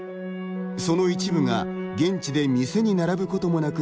その一部が現地で店に並ぶこともなく